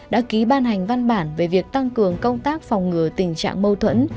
đã ký ban hành văn bản về việc tăng cường công tác phòng ngừa tình trạng mâu thuẫn